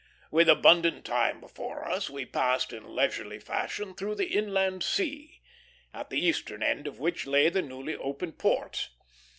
With abundant time before us, we passed in leisurely fashion through the Inland Sea, at the eastern end of which lay the newly opened ports.